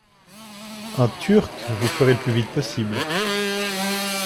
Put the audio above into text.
Un Turc ! Vous ferez le plus vite possible.